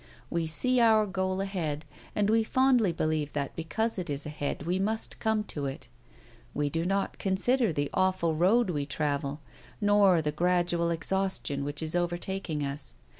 We see our goal ahead, and we fondly believe that because it is ahead we must come to it. We do not consider the awful road we travel, nor the gradual exhaustion which is overtaking us.